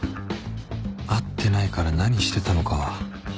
会ってないから何してたのかは